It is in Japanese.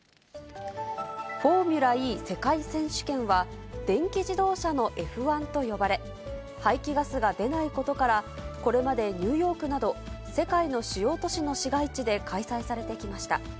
フォーミュラＥ世界選手権は、電気自動車のＦ１と呼ばれ、排気ガスが出ないことから、これまでニューヨークなど、世界の主要都市の市街地で開催されてきました。